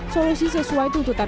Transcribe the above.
solusi sesuai tututan masyarakat